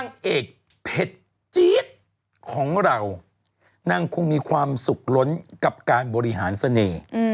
นางเอกเผ็ดจี๊ดของเรานางคงมีความสุขล้นกับการบริหารเสน่ห์